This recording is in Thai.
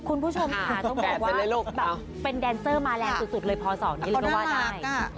คุณผู้ชมค่ะต้องบอกว่าแบบเป็นแดนเซอร์มาแรงสุดเลยพศนี้เลยก็ว่าได้